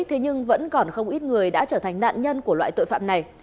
thế nhưng vẫn còn không ít người đã trở thành nạn nhân của loại tội phạm này